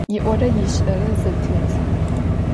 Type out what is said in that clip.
Yi'ore yiş'ere zetêt.